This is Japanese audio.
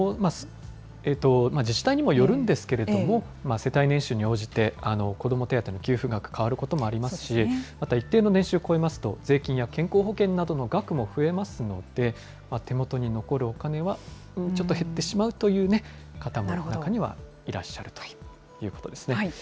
自治体にもよるんですけれども、世帯年収に応じて子ども手当の給付額、変わることもありますし、一定の年収を超えますと、税金や健康保険などの額も増えますので、手元に残るお金はちょっと減ってしまうという方も、中にはいらっしゃるということですね。